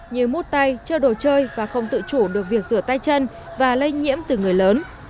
như mút tay chơi đồ chơi và không tự chủ được việc rửa tay chân và lây nhiễm từ người lớn